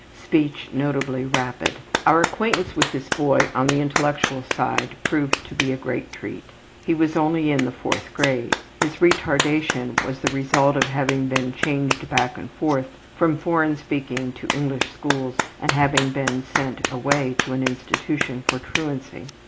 Speech notably rapid. Our acquaintance with this boy on the intellectual side proved to be a great treat. He was only in the 4th grade. His retardation was the result of having been changed back and forth from foreign speaking to English schools and having been sent away to an institution for truancy.